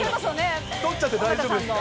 取っちゃって大丈夫ですか？